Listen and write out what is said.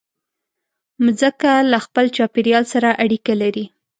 مځکه له خپل چاپېریال سره اړیکه لري.